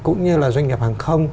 cũng như là doanh nghiệp hàng không